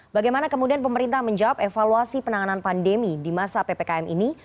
bagaimana kemudian pemerintah menjawab evaluasi penanganan pandemi di masa ppkm ini